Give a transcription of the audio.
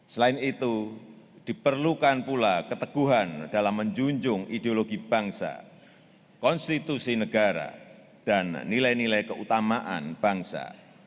selain itu diperlukan pula keteguhan dalam menjunjung ideologi bangsa konstitusi negara dan nilai nilai keutamaan bangsa